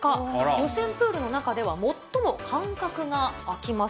予選プールの中では、最も間隔が空きます。